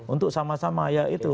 untuk sama sama ya itu